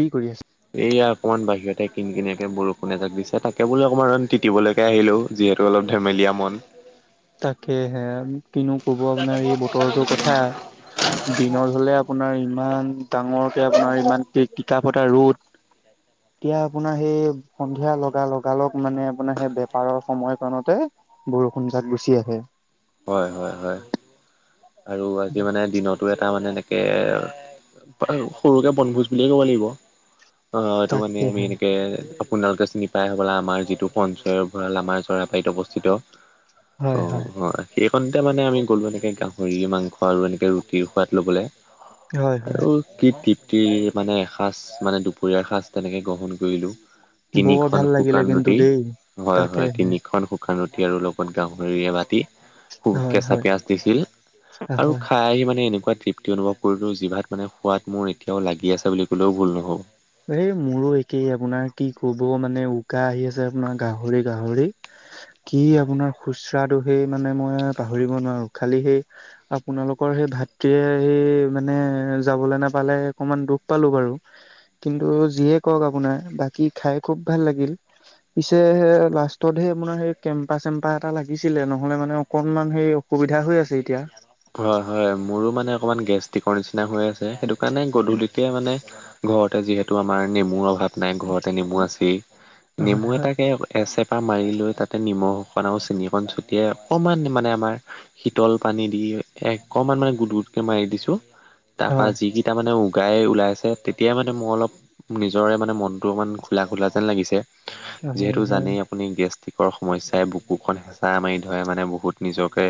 কি কৰি আছে? এইয়া অকমান বাহিৰতে কিন কিনিয়াকে বৰষুণ এজাক দিছে। তাকে বোলো অকমান তিতিবলেকে আহিলোঁ। যিহেতু অলপ ধেমেলীয়া মন। তাকেহে। কিনো ক'ব আপোনাৰ এই বতৰটোৰ কথা, দিনত হলে আপোনাৰ ইমান ডাঙৰকে আপোনাৰ ইমান তিকা ফটা ৰ'দ। [inaudible] এতিয়া আপোনাৰ সেই সন্ধিয়া লগা লগালগ মানে আপোনাৰ সেই বেপাৰৰ সময় কণতে বৰষুণ জাক গুচি আহে। হয় হয় হয়। আৰু আজি মানে দিনতো এটা মানে এনেকে সৰুকে বনভোজ বুলিয়ে ক'ব লাগিব অঁ এইটো মানে আমি তাকেহে এনেকে, আপোনালোকে চিনি পাই হ'বলা। আমাৰ যিটো পঞ্চয়ৰ ভৰাল আমাৰ চৰাবাৰীত অৱস্থিত। অ, হয় সেইখনতে মানে আমি গ'লোহেঁতেন সেই গাওঁ। ভৰি মাংস আৰু এনেকে ৰুটিৰ সোৱাদ লবলে। হয় হয় আৰু কি তৃপ্তিৰ মানে এসাঁজ মানে দুপৰীয়াৰ এসাঁজ তেনেকে গ্ৰহণ কৰিলোঁ। বৰ তিনিখন ভাল লাগিলে শুকান কিন্তু ৰুটি। দেই। হয়, হয় তাকেহে তিনিখন শু শুকান ৰুটি আৰু লগত গাহৰি এবাতি হয় কেঁচা হয় পিয়াঁজ দিছিল আৰু হয়। খা খাই আহি মানে এনেকুৱা তৃপ্তি অনুভৱ কৰিলোঁ জিভাত মানে সোৱাদ মোৰ এতিয়াও লাগি আছে বুলি ক'লেও ভুল নহ'ব। এই মোৰো একেই আপোনাৰ কি কব মানে উকা আহি আছে আপোনাৰ গাহৰি গাহৰি। কি আপোনাৰ শুস্ৰাদটো সেই মানে মই পাহৰিব নোৱাৰো খালি সেই, আপোনালোকৰ সেই ভাতৃয়ে সেই মানে যাবলৈ নাপালে অকনমান দুখ পালো বাৰু কিন্তু যিয়ে কৰক আপোনাৰ বাকী খাই খুব ভাল লাগিল। পিছে লাষ্টত হে আপোনাৰ সেই কেম্পা চেম্পা এটা লাগিছিলে নহলে মানে অকনমান হে অসুবিধা হৈ আছে এতিয়া। ধৰা হয় মোৰো মানে অকণমান গেষ্ট্ৰিকৰ নিচিনা হৈ আছে সেইটো কাৰণে গধূলিকে মানে, ঘৰতে যিহেতু আমাৰ নেমুৰ অভাৱ নাই ঘৰতে নেমু আছে হয় নেমু হয় এটাকে, এচেপা মাৰি লৈ তাতে নিমখকণ আৰু চেনিকণ ছটিয়াই অকণমান মানে আমাৰ, শীতল পানী দি অকণমান মানে গুট গুটকে মাৰি দিছো তাৰ পৰা হয় যি। এতিয়া মানে উগাই ওলাইছে তেতিয়াই মানে মোৰ অলপ, নিজৰে মানে মনতটো অকমান খোলা খোলা যেন লাগিছে। হয় যিহেতু হয় জানেই আপুনি গেষ্টিকৰ সমস্যাই বুকুখন হেঁচা মাৰি ধৰে মানে বহুত। নিজকে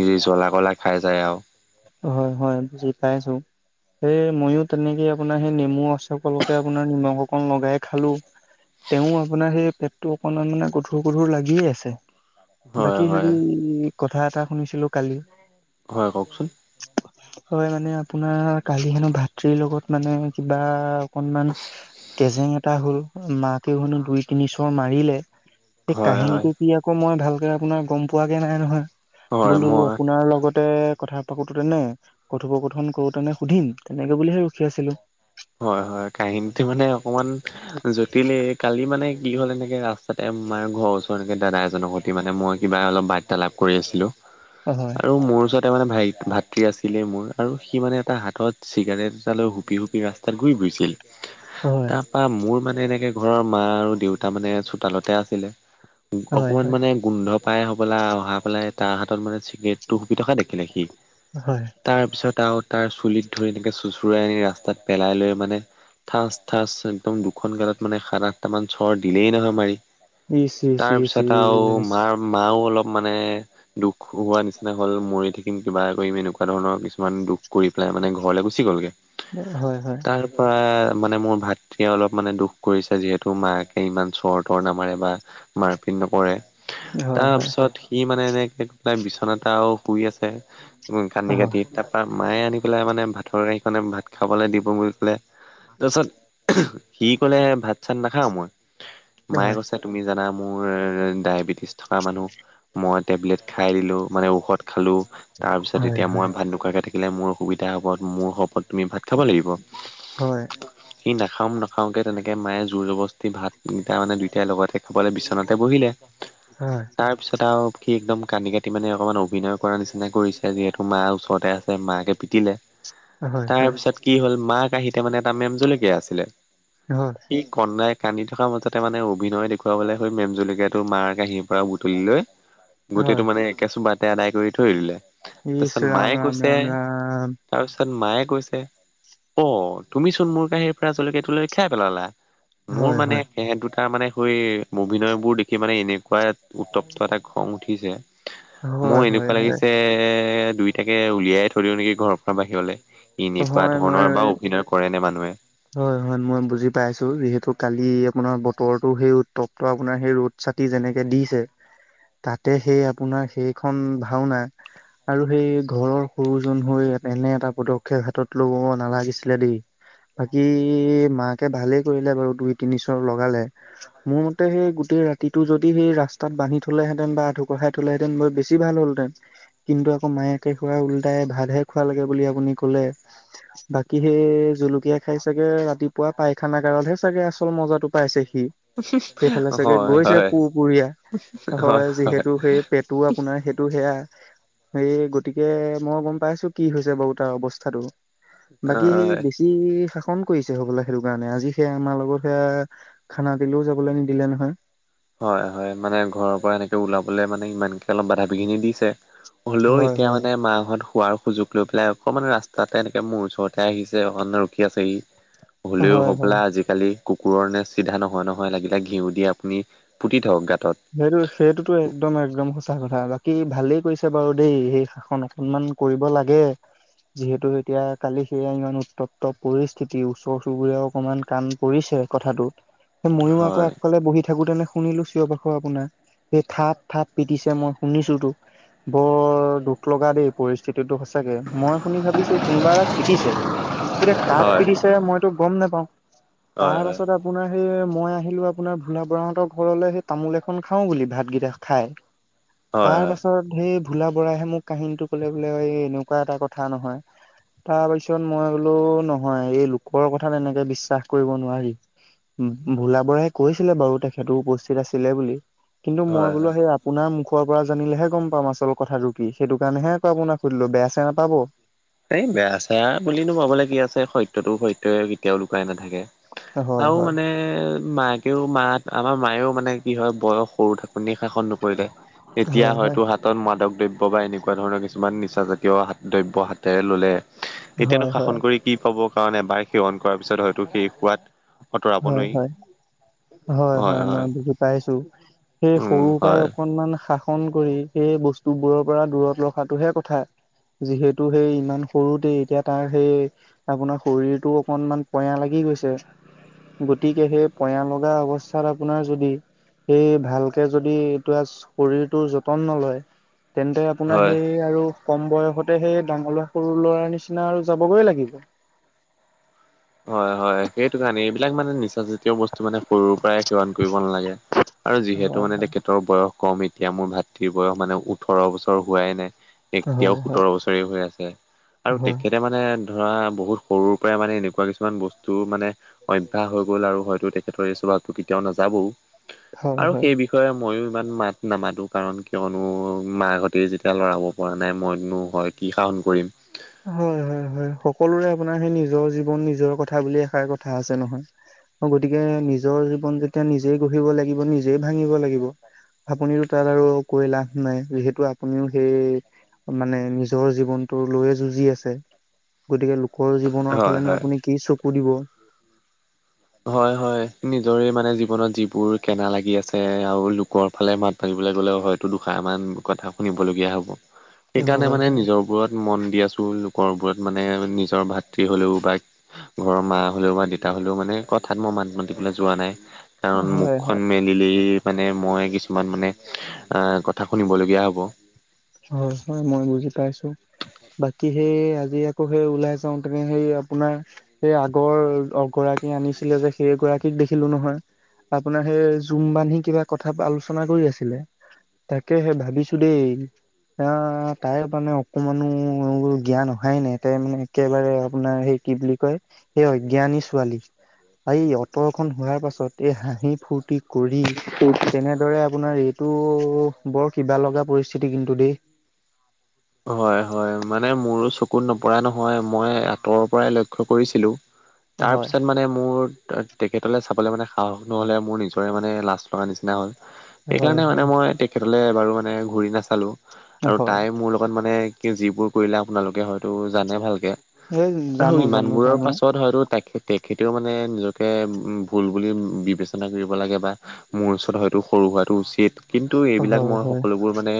নিজে জ্বলা কলাই খাই যায় আৰু হয় হয় বুজি পাইছো সেই মই তেনেকে আপোনাৰ সেই নেমু সকলকে আপোনাৰ নিমখ অকণ লগাই খালো। তেওঁ আপোনাৰ সেই পেটটো অকমান মানে গধুৰ গধুৰ লাগিয়ে আছে। হয় বাকী হয় হেৰি কথা এটা শুনিছিলো কালি। হয় কওঁকচোন। হয় মানে আপোনাৰ কালি হেনো ভাতৃৰ লগত মানে কিবা। অকনমান তেজেং এটা হ'ল মাকে হেনো দুই তিনি চৰ মাৰিলে। সেই হয় হয় কাহিনীটো কি আকৌ মই ভালকে আপোনাৰ গম পোৱাকে নাই নহয়। হয় বোলো মই আপোনাৰ লগতে কথা, [unintelligible] কথোপকথন কৰোতেনে সুধিম তেনেকে বুলিহে ৰখি আছিলো। হয় হয় কাহিনীটো মানে অকমান। জটিল কালি মানে কি হ'ল এনেকে ৰাস্তাতে আমাৰ ঘৰৰ ওচৰ এনেকে দাদা এজনক, মানে মই কিবা অলপ বাৰ্তা লাভ কৰি আছিলোঁ। হয় হয়। আৰু মোৰ ওচৰতে মানে ভাই ভাতৃ আছিলে মোৰ আৰু সি মানে এটা হাত চিগাৰেট এটা লৈ হুপি হুপি ৰা তাত ঘূৰি ফুৰিছিল হয় ত পা মোৰ মানে এনেকে ঘৰৰ মা আৰু দেউতা মানে চোতালতে আছিলে হয় অকমান হয় মানে, গোন্ধ পাই হবা অহা পেলাই তাৰ হাতত মানে চিগৰেটো হুপি থকা দেখিলে সি। হয় তাৰ পিছত আৰু তাৰ চুলিত ধৰি এনেকে চোচৰাই আনি ৰাস্তাত পেলাই লৈ মানে। ঠাঁচ ঠাঁচ একদম দুখন গালত মানে সাত আঠটামান চৰ দিলেই নহয় মাৰি। ইচ ইচ ইচ তাৰপিছত আৰু ইচ মাৰ, মাও অলপ মানে দুখ হোৱা নিচিনা হ'ল মৰি থাক ম কিবা কৰিম এনেকুৱা ধৰণৰ কিছুমান দুখ কৰি পেলাই মানে ঘৰলৈ গুচি গ'লগে। হয় হয়। তাপা মানে মোৰ ভাতৃয়ে অলপ মানে দুখ কৰিছে যিহেতু মাকে, ইমান চৰ-টৰ নামাৰে বা মাৰপিট নকৰে। হয় হয় তাৰপিছত সি মানে এনেকে তাৰ বিচনাত আৰু শুই আছে। ও কান্দি হয় কাটি তাৰ পা মায়ে আনি পেলাই মানে ভাতৰ কাঁহীখনে ভাত খাবলৈ দিব বুলি ক'লে। তাৰছত সি ক'লে ভাত চাত নাখাও মই। মায়ে হয় কৈছে তুমি জানা মোৰ ডায়েবেটিছ থকা মানুহ। মই টেবলেট খাই দিলো মানে ঔষধ খালো তাৰ পিছত হয় এতিয়া হয় মই ভাত নোখোৱাকে থাক, থাকিলে মোৰ অসুবিধা হ'ব মোৰ শপত তুমি ভাত খাব লাগিব। হয়। সি নাখাও নাখাও কে তেনেকে মায়ে জোৰ জবস্তি ভাতকিটা মানে দুইটাই লগতে ক'লে বিচনাতে বহিলে। হয় তাৰ তাৰপিছত আৰু সি একদম কান্দি কাটি মানে অকমান অভিনয় কৰাৰ নিচিনা কৰিছে যিহেতু মা ওচৰতে আছে। মাকে পিটিলে। হয়, তাৰ হয়। পিছত কি হ'ল মাক আহি তাৰ মানে এটা মেমজলকীয়া আছিলে। হয় সি কনাই কান্দি থকা মাজতে মানে অভিনয় দেখুৱাবলৈ সেই মেম জলকীয়াটো মাৰ কাঁহীৰ পৰা বুটলি লৈ গোটেইটো হয় মানে একে চোবাতে আদায় কৰি থৈ দিলে। তাৰছত ইছ ৰাম মায়ে ৰাম কৈছে ৰাম ৰাম তাৰছত মায়ে কৈছে অ তুমি চোন মোৰ কাঁহীৰ পৰা জলকীয়াটো লৈ খাই পেলালা। মোৰ হয় মানে হয় সেহেঁত দুটাৰ মানে সৈ অভিনয়বোৰ দেখি মানে এনেকুৱাই উত্তপ্ত এটা খং উঠিছে। হয় মোৰ হয় এনেকুৱা হয় লাগিছে দুইটাকে উলিয়াই থৈ থৈ দিও নেকি ঘৰৰ পৰা বাহিৰলে। এনেকুৱা হয় মই ধৰণৰ বাও অভিনয় কৰে নে মানুহে? হয়, হয় মই বুজি পাইছো। যিহেতু কালি আপোনাৰ বতৰটো সেই উত্তপ্ত, আপোনাৰ সেই ৰ'দ ছাটি যেনেকে দিছে তাতে সেই আপোনাৰ সেইখন ভাওনা আৰু সেই ঘৰৰ সৰুজন হৈ এনে এটা পদক [unintelligible] হাতত লবও নালাগিছিলে দেই। বাকী মাকে ভালেই কৰিলে বাৰু দুই, তিনি চৰ লগালে। মোৰ মতে সেই গোটেই ৰাতিটো যদি সেই ৰাস্তাত বান্ধি থ'লেহেতেন বা আঠুকঢ়াই থ'লেহেতেন মই বেছি বেছি ভাল হ'লহেতেন। কিন্তু আকৌ মায়েকে পুৰা উল্টাই ভাতহে খুৱালেগে বুলি আপুনি ক'লে। বাকী সেই জলকীয়া খাই চাগে ৰাতিপুৱা পায়খানাগাৰতহে চাগে আচল মজাটো পাইছে সি। সেইফালে চাগে হয় গৈছে হয় পোহপুৰীয়া, হয় যিহেতু সেই পেট টো আপোনাৰ সেইটো সেয়া। সেই গতিকে মই গম পাইছো কি হৈছে বাৰু তাৰ অৱস্থা। টো বাকী সে হয় বিছ আজি শাসন কৰিছে হবলা। সেইটো কাৰণে আজি সেয়া আমাৰ লগৰ সেইয়া খানা দিলেও যাবলৈ নিদিলে নহয়। হয়, হয় মানে ঘৰৰ পৰা এনেকে ওলাবলৈ মানে ইমানকে অলপ বাধা বিঘিনি দিছে। হ'লেও হয় এতিয়া হয় মানে মাহঁত শোৱাৰ সুযোগ লৈ পেলাই অকমান ৰাস্তাতে এনেকে মোৰ ওচৰতে আহিছে, অকণ ৰখি আছেহি। হ'লেও হয় হয় হ'বলা আজি-কালি কুকুৰৰ নে চিধা নহয় নহয়। লাগিলে ঘিউ দি আপুনি পুতি থওক গাঁতত। সেইটো সেইটোতো একদম একদম সঁচা কথা। বাকী ভালেই কৰিছে বাৰু দেই সেই শাসন অকণমান কৰিব লাগে। যিহেতু এতিয়া কালি সেয়া ইমান উত্তপ্ত পৰিস্থিতি। ওচৰ-চুবুৰীয়াও অকমান কাণ কৰিছে কথাটো। সেই ময়ো আকৌ হয় আগফালে বহি থাকোতে নে শুনিলো চিঞৰ-বাখৰ। আকৌ আপোনাৰ সেই থাপ থাপ পিটিছে মই শুনিছোটো। বৰ দুখ লগা দেই পৰিস্থিতিটো সঁচাকে। মই শুনি ভাবিছো কোনোবা এটাক পিটিছে। এতিয়া কাক হয় পিটিছে মইতো গম নাপাও। হয় তাৰ হয় পাছত আ আপোনাৰ সেই মই আহিলো আপোনাৰ ভোলা বৰাহঁতৰ ঘৰলে সে তামোল এখন খাওঁ বুলি ভাতকেইটা খাই, হয় হয় তাৰ পাছত সেই ভোলা বৰাইহে মোক কাহিনীটো ক'লে বোলে এ এনেকুৱা এটা কথা নহয়। তাৰ পিছত মই বোলো নহয় এই লোকৰ কথা তেনেকে বিশ্বাস কৰিব নোৱাৰি। ভোলা বৰাহে কৈছিলে বাৰু তেখেতো উপস্থিত আছিলে বুলি কিন্তু মই হয় হয় বোলো সেয়া আপোনাৰ মুখৰ পৰা জানিলেহে গম পাম আচল কথাটো কি সেইটো কাৰণেহে আক আপোনাক সুধিলোঁ বেয়া চেয়া নাপাব। এই বেয়া চেয়া বোলিনো কব লে কি আছে সত্যতো সত্যই কেতিয়াও লুকাই নাথাকে। হয় হয় আও মানে মাকেও মাত আমাৰ মায়েও মানে কি হয় বয়স সৰু থাক আপুনি শাসন নকৰিলে এতিয়া হয় হয় হয়তো হাত হাতত মাদক দ্ৰব্য বা এনেকুৱা ধৰণৰ কিছুমান নিচাজাতীয় হাত দ্ৰব্য হাতেৰে ল'লে এতিয়ানো হয় শাসন হয় কৰি কি পাব। কাৰণ এবাৰ সেৱন কৰাৰ পিছত হয়তো সেই সোৱাদ আঁতৰাব হয়, নোৱাৰি হয়। হয় -হয় মই বুজি পাইছোঁ সেই উম সৰু পাই হয় অকনমান শাসন কৰি সেই বস্তুবোৰৰ পৰা দূৰত ৰখাটোহে কথা। যিহেতু সেই ইমান সৰুতে এতিয়া তাৰ সেই আপোনাৰ শৰীৰটো অকনমান পয়া লাগি গৈছে। গতিকে সেই পয় লগা অৱস্থাত আপোনাৰ যদি এই ভালকে যদি এইটো আচ শৰীৰটো যতন নলয় তেন্তে আপোনাৰ হয়। সেই আৰু কম বয়সতে সেই ডাঙৰ ল'ৰা -সৰু ল'ৰাৰ নিচিনা আৰু যাবগৈ লাগিব। হয়-হয় সেইটো কাৰণে এইবিলাক মানে নিচা জাত তেওঁ বস্তু মানে সৰুৰ পৰাই সেৱন কৰিব নালাগে আৰু যিহেতু হয় মানে তেখেত ত' বয়স কম এতিয়া মোৰ ভাতৃৰ বয়স মানে ওঠৰ বছৰ হোৱাই নাই। এতিয়াও হয় হয়। সোতৰ বছৰে হৈ আছে আৰু হয় তেখেতে মানে ধৰা বহুত সৰুৰ পৰাই মানে এনে এনেকুৱা কিছুমান বস্তু মানে অভ্যাস হৈ গ'ল আৰু হয়তো তেখেতৰ এই স্বভাৱটো কেতিয়াও নাযাবও। হয় আৰু হয়। সেই বিষ বিষয়ে ময়ো ইমান মাত নামাতোঁ কাৰণ কিয়নো মাহঁতে যেতিয়া লৰাব পৰা নাই মইনো হয় কি [unintelligible] কৰিম। হয়- হয় -হয় সকলোৰে আপোনাৰ সেই নিজৰ জীৱন নিজৰ কথা বুলি এষাৰ কথা আছে নহয়। অ, গতিকে নিজৰ জীৱন যেতিয়া নিজেই গঢ়িব লাগিব, নিজেই ভাঙিব লাগিব। আপুনিটো তাত আৰু কৈ লাভ নাই যিহেতু আপুনিও সেই মানে নিজৰ জীৱনটো লৈয়ে যুঁজ যি আছে গতিকে লোকৰ জীৱনৰ হয় ফালেনো হয়। আপুনি কি চকু দিব হয়-হয় নিজৰে মানে জীৱনত যিবোৰ কেনা লাগি আছে আৰু লোকৰ ফালে মাত ভাাবিবলৈ গ'লেও হয়তো দুষাৰমান কথা শুনিবলগীয়া হ'ব হয় সেইকাৰণে হয় মানে নিজৰবোৰত মন দি আছো লোকৰবোৰত মানে নিজৰ ভাতৃ হলেও ঘৰৰ মা হলেও বা দেতা হলেও মানে কথাত মই মাত মাতিবলৈ যোৱা নাই কাৰণ হয় হয় মুখখন ম নিলে মানে মই কিছুমান মানে আহ কথা শুনিবলগীয়া হ'ব। হয়- হয় মই বুজি পাইছোঁ বাকী সেই আজি আকৌ সেই ওলাই চাওঁ তুমি হেই আপোনাৰ সেই আগৰ গৰাকী আনিছিলে যে সেই গৰাকীক দেখিলোঁ নহয়। আপোনাৰ সেই জুম বান্ধি কিবা কথা আলোচনা কৰি আছিলে। তাকেহে ভাবিছোঁ দেই। আহ, তাই মানে অকমানো জ্ঞান অহাই নাই তাই মানে একেবাৰে আপোনাৰ সেই কি বুলি কয় এই অজ্ঞানী ছোৱালী। এই অতৰখন হোৱা। পাছত এই হাঁহি ফূৰ্তি কৰি তেনেদৰে আপোনাৰ এইটো বৰ কিবা লগা পৰিস্থিতি কিন্তু দেই। [inaudible] হয়-হয় মানে মোৰো চকুত নপৰা নহয় মই আঁতৰৰ পৰাই লক্ষ্য কৰিছিলোঁ। তাৰ হয় পিছত মানে মোৰ তেখেতলে চাবলৈ মানে সাহস নহলে মোৰ নিজৰ কৰে মানে লাজ লগাৰ নিচিনা হ'ল এইকাৰণে হয় এইকাৰণে মানে হয় মই তেখেতলে এবাৰো ঘূৰি ঘূৰি নাচালোঁ। আৰু হয় তাই মোৰ লগত মানে কি যিবোৰ কৰিলে আপোনালোকে হয়তো জানে ভালকে? এই আৰু জানো জানো ইমানবোৰৰ জানো পাছত হয়তো তাইক হে লেলে খেতেও মানে নিজকে ভুল বুলি বিবেচনা কৰিব লাগে বা মোৰ ওচৰত হয়তো সৰু হোৱাটো উচিত কিন্তু এইবিলাক হয় মই হয় সকলোবোৰ মানে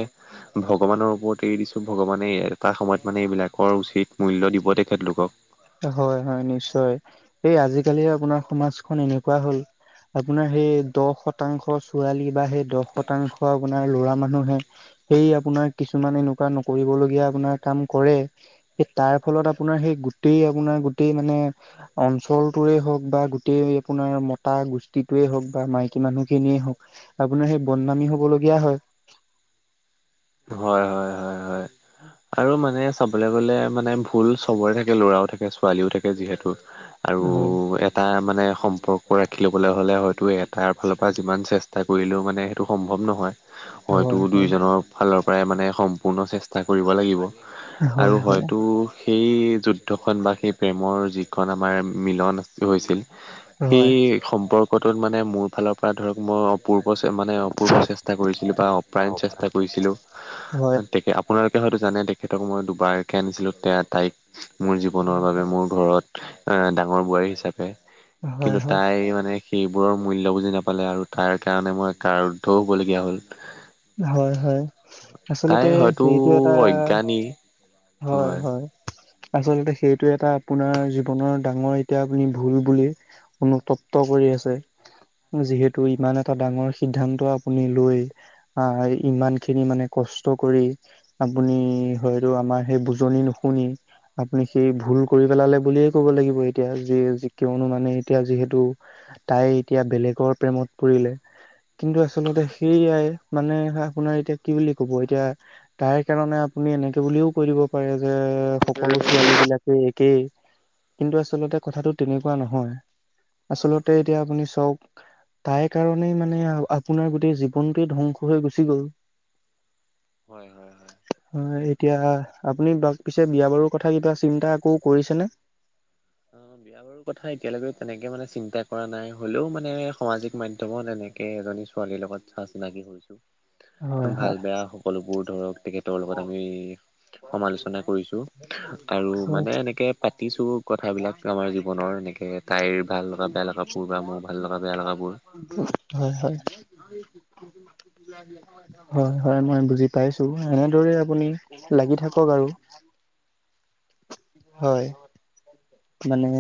ভগৱানৰ ওপৰত এৰি দিছো ভগৱানে এটা সময়ত মানে এইবিলাকৰ উচিত মূল্য দিব তেখেতলোকক। হয়-হয় নিশ্চয় এই আজিকালি আপোনাৰ সমাজখন এনেকুৱা হ'ল। আপোনাৰ সেই দহ শতাংশ ছোৱালী বা সেই দহ শতাংশ আপোনাৰ ল'ৰা মানুহে সেই আপোনাৰ কিছুমান এনেকুৱা নকৰিবলগীয়া আপোনাৰ কাম কৰে। পি বেতাৰ ফলত আপোনাৰ সেই গোতেই আপোনাৰ গোটেই মানে অঞ্চল, টোৰে হওক বা গোটেই আপোনাৰ মতা গোষ্ঠীটোৱেই হওক বা মাইকী মানুহখিনিয়ে হওক আপোনাৰ সেই বদনামী হ'বলগীয়া হয়। হয়- হয়- হয়- হয় আৰু আৰু মানে চাবলৈ গলে মানে ভুল চবৰে থাকে ল'ৰাও থাকে ছোৱালীও থাকে যিহেতু। আৰু হয় এ এটা মানে সম্পৰ্ক ৰাখি ল'বলৈ হ'লে হয়তো এটাৰ ফালৰ পৰা যিমান চেষ্টা কৰিলেও মানে সেইটো সম্ভৱ নহয়। ময়তো হয় হয় দুয়োজনৰ ফালৰ পৰাই মানে সম্পূৰ্ণ চেষ তা কৰিব লাগিব আৰু হয় হয় হয়তো সেই যুদ্ধখন বা সেই প্ৰেমৰ যিখন আমাৰ মিলন আ হৈছিল সেই হয় সম্পৰ্কটোত মানে মোৰ ফালৰ পৰা ধৰক মই পূৰ্ব মানে অপূৰ্ব চেষ্টা কৰিছিলোঁ বা অপ্ৰায়ণ চেষ্টা কৰিছিলোঁ হয় হয় তেকে আপোনালোকে হয়তো জানে তেখেতক মই দুবাৰকে আনিছিলোঁ তে তাইক। মোৰ জীৱনৰ বাবে মোৰ ঘৰত এ ডাঙৰ বোৱাৰী হিচাপে। হয় কিন্তু তাই মানে সেইবোৰৰ মূল্য বুজি নাপালে আৰু তাৰ কাৰণে মই কাৰুদ্ধও হ'বলগীয়া হ'ল। হয়-হয় তাই আচলতে হয়তো এইটো এটা অজ্ঞানী হয় হয়-হয়। আচলতে সেইটো এটা আপোনাৰ জীৱনৰ ডাঙৰ এতিয়া আপুনি ভুল বুলি অনুতপ্ত কৰি আছে। যিহেতু ইমান এটা ডাঙৰ সিদ্ধান্ত আপুনি লৈ আহ, ইমান খিনি মানে কষ্ট কৰি আপুনি হয়তো আমাৰ সেই বুজনি নুশুনি আপুনি সেই ভুল কৰি পেলালে বুলিয়ে ক'ব লাগিব এতিয়া যে কিয়নো মানে এতিয়া যিহেতু তাই এতিয়া বেলেগৰ প্ৰেমত পৰিলে কিন্তু আচলতে সেইয়াই মানে আপোনাৰ এতিয়া কি বুলি ক'ব এতিয়া তাইৰ কাৰণে আপুনি এনেকে বুলিও কৈ দিব পাৰে যে সকলো ছোৱালী বিলাকে একেই কিন্তু আচলতে কথাটো তেনেকুৱা নহয়। আচলতে এতিয়া আপুনি চাওক তাই কাৰণেই মানে আপোনাৰ গোটেই জীৱনটোয়ে ধ্বংস হৈ গুচি গ'ল। হয়- হয়-হয় হয় এতিয়া আপুনি পিছে বিয়া বাৰুৰ কথা কিবা চিন্তা আকৌ কৰিছেনে? [unintelligible] বিয়া বাৰুৰ কথা এতিয়ালৈকে তেনেকে মানে চিন্তা কৰা নাই হ'লেও মানে সামাজিক মাধ্যম ত এনেকে এজনী ছোৱালীৰ লগত চা -চিনাকি হৈছো। হয় ভাল হয় বেয়া সকলোবোৰ ধৰক তেখেতৰ লগত আমি সমালোচনা কৰিছোঁ কাৰো হয় মানে এনেকে পাতিছো কথাবিলাক আমাৰ জীৱনৰ এনেকে তাইৰ ভাল লগা বেয়া লগাবোৰ বা মোৰ ভাল লগা বেয়া লগাবোৰ। হয়- হয় হয়-হয় মই বুজি পাইচুৰ এনেদৰে আপুনি লাগি থাকক আৰু। হয় মানে